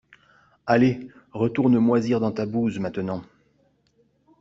Allez, retourne moisir dans ta bouse maintenant.